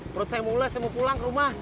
perut saya mulai saya mau pulang ke rumah